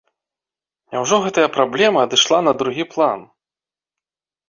Няўжо гэтая праблема адышла на другі план?